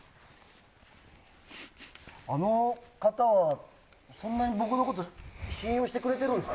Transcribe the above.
あの方はそんなに僕のことを信用してくれてるんですか？